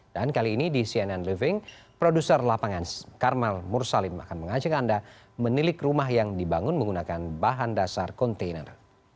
dan kali ini di cnn living produser lapangan karmel mursalim akan mengajak anda menilik rumah yang dibangun menggunakan bahan dasar kontainer